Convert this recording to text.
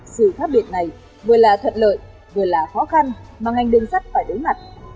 sự khác biệt này vừa là thuận lợi vừa là khó khăn mà ngành đường sắt phải đối mặt